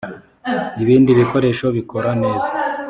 ibindi bikoresho bikora neza.